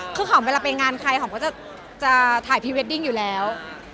คือหอมเวลาไปงานใครหอมก็จะถ่ายพรีเวดดิ้งอยู่แล้ว